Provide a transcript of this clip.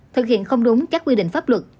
thực hiện không đúng các quy định pháp luật